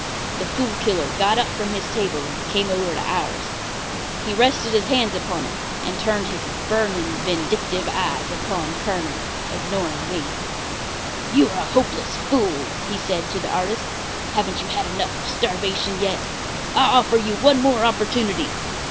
The Fool Killer got up from his table and came over to ours. He rested his hands upon it, and turned his burning, vindictive eyes upon Kerner, ignoring me. "You are a hopeless fool," he said to the artist. "Haven't you had enough of starvation yet? I offer you one more opportunity.